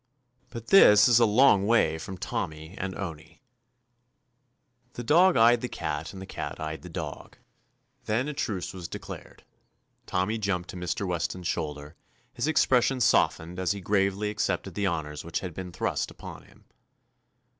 But this is a long way from Tommy and Owney. The dog eyed the cat and the cat eyed the dog. Then a truce was de clared. Tommy jumped to Mr. Wes ton's shoulder, his expression softened as he gravely accepted the honors which had been "thrust upon him."